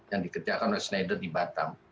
yang dikerjakan oleh schneider di batam